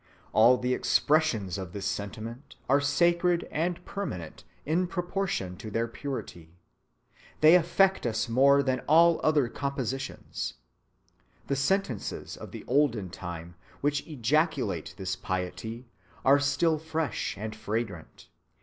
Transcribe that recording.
All the expressions of this sentiment are sacred and permanent in proportion to their purity. [They] affect us more than all other compositions. The sentences of the olden time, which ejaculate this piety, are still fresh and fragrant.